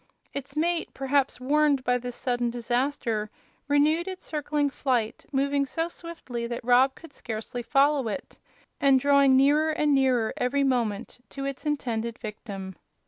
Its mate, perhaps warned by this sudden disaster, renewed its circling flight, moving so swiftly that Rob could scarcely follow it, and drawing nearer and nearer every moment to its intended victim.